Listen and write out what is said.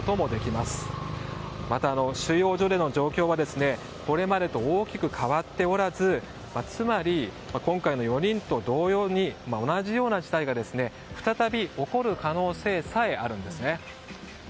また、収容所での状況はこれまでと大きく変わっておらずつまり、今回の４人と同様に同じような事態が再び起こる可能性さえあるんですね。